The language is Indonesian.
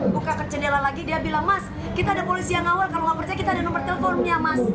mundur si a'anya buka ke jendela lagi dia bilang mas kita ada polisi yang ngawal kalau gak percaya kita ada nomor teleponnya mas